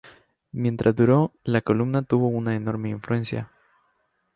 Mientras duró, la columna tuvo una enorme influencia.